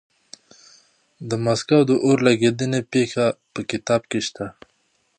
د مسکو د اور لګېدنې پېښه په کتاب کې شته.